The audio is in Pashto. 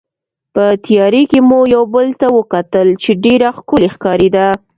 په تیارې کې مو یو بل ته وکتل چې ډېره ښکلې ښکارېده.